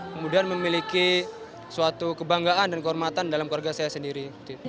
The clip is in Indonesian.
kemudian memiliki suatu kebanggaan dan kehormatan dalam keluarga saya sendiri